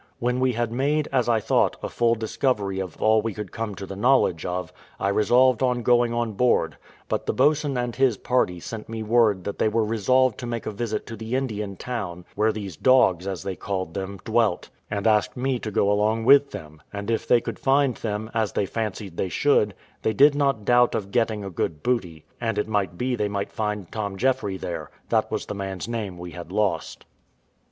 When we had made, as I thought, a full discovery of all we could come to the knowledge of, I resolved on going on board; but the boatswain and his party sent me word that they were resolved to make a visit to the Indian town, where these dogs, as they called them, dwelt, and asked me to go along with them; and if they could find them, as they still fancied they should, they did not doubt of getting a good booty; and it might be they might find Tom Jeffry there: that was the man's name we had lost.